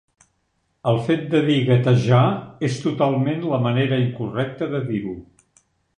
El fet de dir "gatejar" és totalment la manera incorrecta de dir-ho.